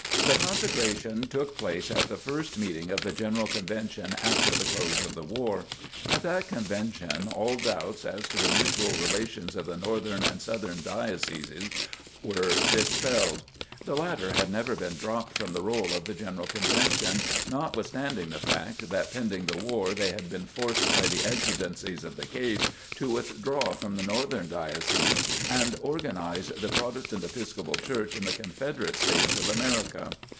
The consecration took place at the first meeting of the General Convention after the close of the war. At that convention all doubts as to the mutual relations of the Northern and Southern Dioceses were dispelled. The latter had never been dropped from the roll of the General Convention, notwithstanding the fact that pending the war they had been forced by the exigencies of the case, to withdraw from the Northern Dioceses and organize the "Protestant Episcopal Church in the Confederate States of America."